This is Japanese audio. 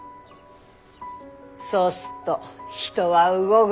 そうすっと人は動ぐ。